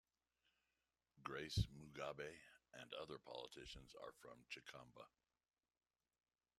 Grace Mugabe and other politicians are from Chikomba.